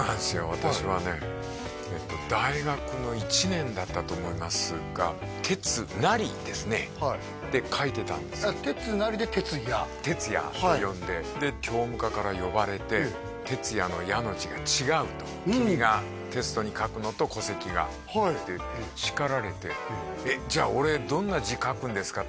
私はね大学の１年だったと思いますが「鉄也」ですねって書いてたんですけど「鉄也」で「てつや」てつやと読んでで教務課から呼ばれて「てつや」の「や」の字が違うと君がテストに書くのと戸籍がって叱られてえっじゃあ俺どんな字書くんですか？